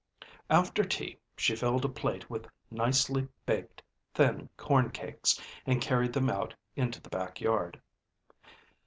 After tea she filled a plate with nicely baked thin corn cakes, and carried them out into the back yard.